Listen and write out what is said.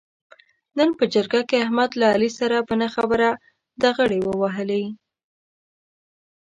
نن په جرګه کې احمد له علي سره په نه خبره ډغرې و وهلې.